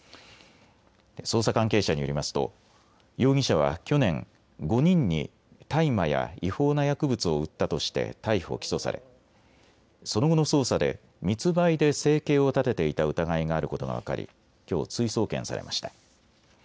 捜査関係者によりますと容疑者は去年、５人に大麻や違法な薬物を売ったとして逮捕・起訴されその後の捜査で密売で生計を立てていた疑いがあることが分かりきょう追送検されました。